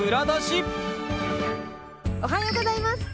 おはようございます。